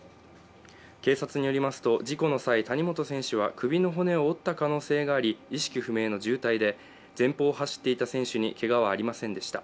警察によりますと、事故の際、谷本選手は首の骨を折った可能性があり意識不明の重体で前方を走っていた選手にけがはありませんでした。